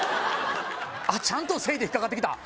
あっ「ちゃんとせえ」で引っ掛かってきた